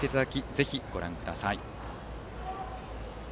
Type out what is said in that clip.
ぜひ、ご覧ください。